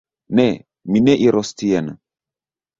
Ne, mi ne iros tien.